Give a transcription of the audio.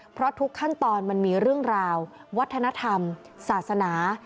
เพราะทุกขั้นตอนมันมีเรื่องราววัฒนธรรมศาสนา